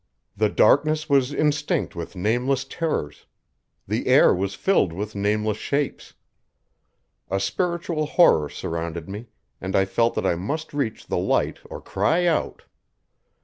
The darkness was instinct with nameless terrors. The air was filled with nameless shapes. A spiritual horror surrounded me, and I felt that I must reach the light or cry out.